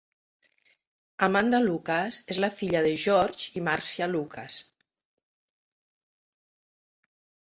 Amanda Lucas és la filla de George i Marcia Lucas.